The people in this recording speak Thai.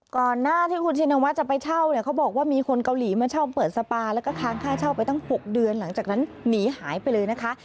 ก่อนหน้าที่คุณชินวัฒน์จะไปเช่าเนี่ยเขาบอกว่ามีคนเกาหลีมาเช่าเปิดสปาแล้วก็ค้างค่าเช่าไปตั้ง๖เดือนหลังจากนั้นหนีหายไปเลยนะคะ